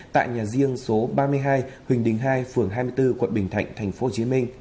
tại nhà riêng số ba mươi hai huỳnh đình hai phường hai mươi bốn quận bình thạnh tp hcm